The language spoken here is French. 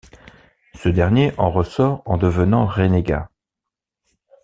Ce dernier en ressort en devenant rénégat…